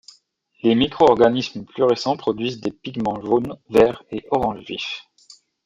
Les micro-organismes plus récents produisent des pigments jaunes, verts et orange vifs.